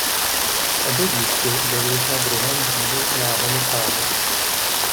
Obě dívky byly již na druhém břehu náhonu Sávy.